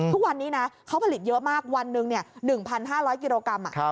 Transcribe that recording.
ทุกวันนี้นะเขาผลิตเยอะมากวันหนึ่ง๑๕๐๐กิโลกรัม